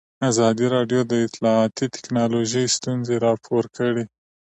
ازادي راډیو د اطلاعاتی تکنالوژي ستونزې راپور کړي.